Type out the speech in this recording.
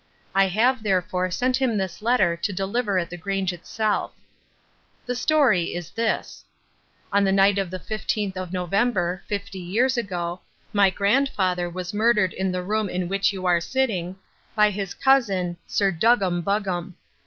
I have, therefore, sent him this letter to deliver at the Grange itself. "The story is this: "On the night of the fifteenth of November, fifty years ago, my grandfather was murdered in the room in which you are sitting, by his cousin, Sir Duggam Buggam.